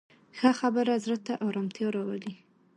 ښه خبره زړه ته ارامتیا راولي